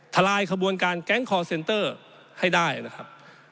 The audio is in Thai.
ลายขบวนการแก๊งคอร์เซนเตอร์ให้ได้นะครับ